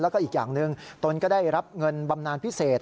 แล้วก็อีกอย่างหนึ่งตนก็ได้รับเงินบำนานพิเศษ